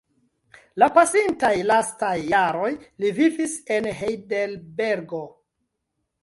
La pasintaj lastaj jaroj li vivis en Hejdelbergo.